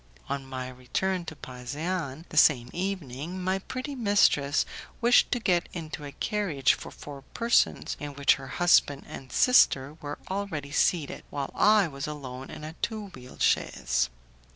On my return to Pasean the same evening, my pretty mistress wished to get into a carriage for four persons in which her husband and sister were already seated, while I was alone in a two wheeled chaise.